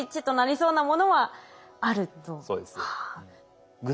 そうです。